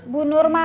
bu nur malah